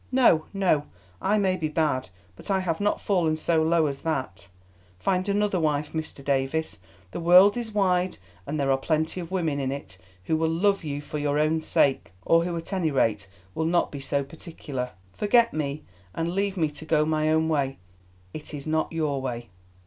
No, no, I may be bad, but I have not fallen so low as that. Find another wife, Mr. Davies; the world is wide and there are plenty of women in it who will love you for your own sake, or who at any rate will not be so particular. Forget me, and leave me to go my own way—it is not your way."